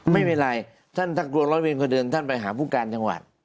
ไม่เป็นไรท่านถ้ากลัวร้อยเวรคนเดินท่านไปหาผู้การจังหวัด